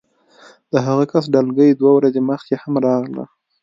د هغه کس ډلګۍ دوه ورځې مخکې هم راغله